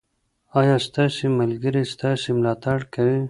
ایا ستاسې ملګري ستاسې ملاتړ کوي؟